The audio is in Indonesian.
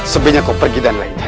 sebaiknya kau pergi dan lain